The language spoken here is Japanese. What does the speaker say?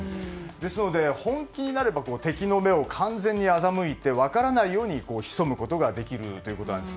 ですので、本気になれば敵の目を完全に欺いて分からないように潜むことができるということなんです。